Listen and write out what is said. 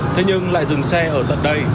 thế nhưng lại dừng xe ở tận đây